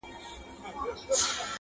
لاس تر غاړه له خپل بخت سره جوړه سوه!!